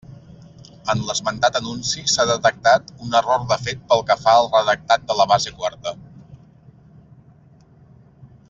En l'esmentat anunci s'ha detectat un error de fet pel que fa al redactat de la base quarta.